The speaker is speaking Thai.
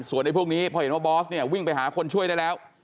ส่วนไอ้พวกนี้พอเห็นว่าบอสเนี่ยวิ่งไปหาคนช่วยได้แล้ว